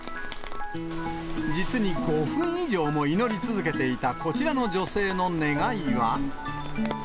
実に５分以上も祈り続けていたこちらの女性の願いは。